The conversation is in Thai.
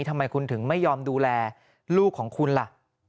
ทำไมคุณถึงไม่ยอมดูแลลูกของคุณล่ะ